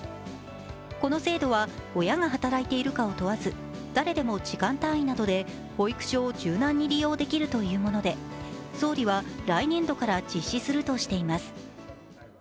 この制度は親が働いているかを問わず誰でも時間単位などで保育所を柔軟に利用できるというもので総理は来年度から実施するとしています。